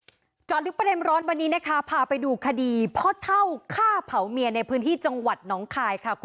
เราจอดลึกประเด็นร้อนวันนี้พาไปดูคดีพทฆ่าเผ่าเมียในจังหวัดน้องไค